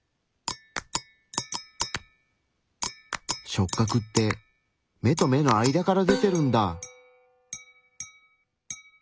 触角って目と目の間から出てるんだ。